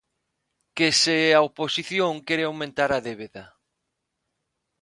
Que se a oposición quere aumentar a débeda.